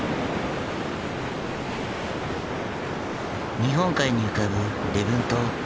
日本海に浮かぶ礼文島。